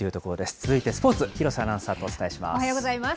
続いてスポーツ、廣瀬アナウンサーとお伝えします。